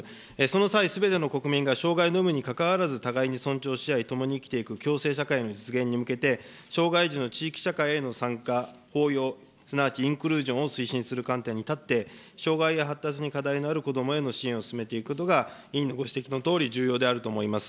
その際、すべての国民が障害の有無にかかわらず、互いに尊重し合い、共に生きていく共生社会の実現に向けて、障害児の地域社会への参加、包容、すなわちインクルージョンを推進する観点に立って、障害や発達に課題のある子どもへの支援を進めていくことが、委員のご指摘のとおり、重要であると思います。